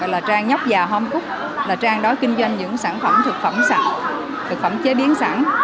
là trang nhóc già hom cúc là trang đó kinh doanh những sản phẩm thực phẩm sạch thực phẩm chế biến sẵn